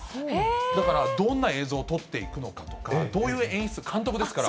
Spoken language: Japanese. だから、どんな映像を撮っていくのかとか、どういう演出、監督ですから。